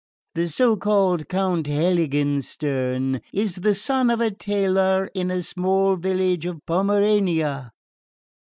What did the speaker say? The so called Count Heiligenstern is the son of a tailor in a small village of Pomerania.